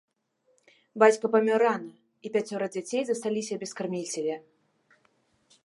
Бацька памёр рана, і пяцёра дзяцей засталіся без карміцеля.